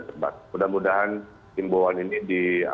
cepat mudah mudahan himbauan ini